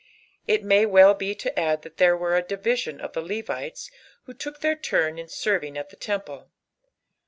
It may be teeii to add thai tliey were a diluion of the LeoHts loho took their turn in serving ai the templt.